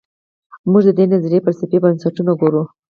موږ د دې نظریې فلسفي بنسټونه ګورو.